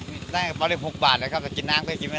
มันไม่มีสักอย่างอะครับกินก็ไม่มีเงินก็ไม่มีครับ